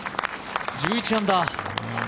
１１アンダー。